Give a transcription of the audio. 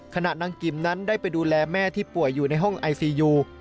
ขณะนางกิมนั้นได้ไปดูแลแม่ที่ป่วยอยู่ในห้องไอซียู